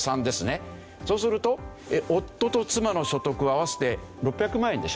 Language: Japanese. そうすると夫と妻の所得合わせて６００万円でしょ？